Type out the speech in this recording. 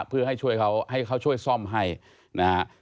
เพื่อให้ช่วยเขาให้เขาช่วยซ่อมให้นะฮะ